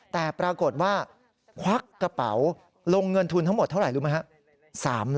แต่ปรากฏว่าควักกระเป๋าลงเงินทุนทั้งหมดเท่าไหร่รู้ไหมครับ